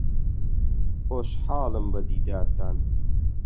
خۆشحاڵم بە دیدارتان.